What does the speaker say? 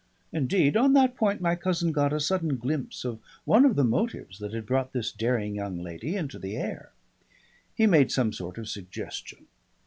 Indeed on that point my cousin got a sudden glimpse of one of the motives that had brought this daring young lady into the air. He made some sort of suggestion.